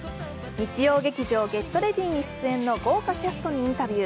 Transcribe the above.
日曜劇場「ＧｅｔＲｅａｄｙ！」に出演の豪華キャストにインタビュー。